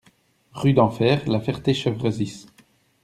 Rue d'Enfer, La Ferté-Chevresis